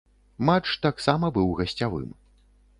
Матч таксама быў гасцявым.